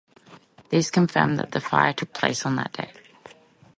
These confirm that the fire took place on that date.